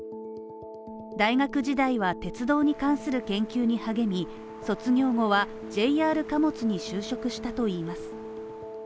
大学時代は鉄道に関する研究に励み卒業後はＪＲ貨物に就職したといいます。